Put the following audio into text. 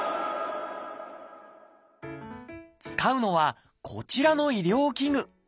使うのはこちらの医療器具。